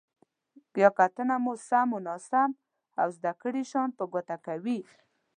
بیا کتنه مو سم، ناسم او زده کړي شیان په ګوته کوي.